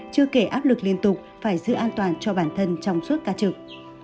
chưa kể áp lực liên tục phải giữ an toàn cho bản thân trong suốt ca trực